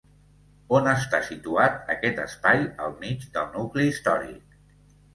On està situat aquest espai al mig del nucli històric?